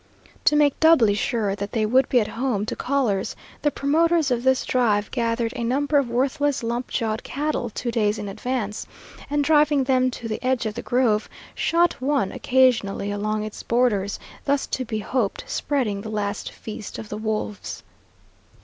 To make doubly sure that they would be at home to callers, the promoters of this drive gathered a number of worthless lump jawed cattle two days in advance, and driving them to the edge of the grove, shot one occasionally along its borders, thus, to be hoped, spreading the last feast of the wolves.